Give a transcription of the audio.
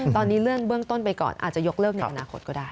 ตอนนี้เลื่อนเบื้องต้นไปก่อนอาจจะยกเลิกในอนาคตก็ได้